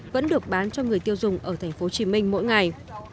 vẫn được bán cho người tiêu dùng ở tp hcm mỗi ngày